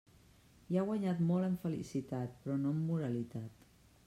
Hi ha guanyat molt en felicitat, però no en moralitat.